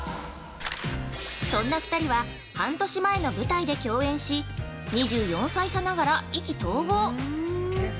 そんな２人は半年前の舞台で共演し２４歳差ながら意気投合！